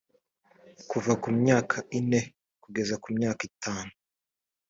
kuva ku myaka ine kugeza ku myaka itanu